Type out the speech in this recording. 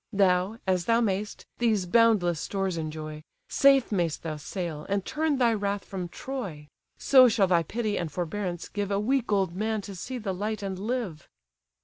Thou, as thou may'st, these boundless stores enjoy; Safe may'st thou sail, and turn thy wrath from Troy; So shall thy pity and forbearance give A weak old man to see the light and live!"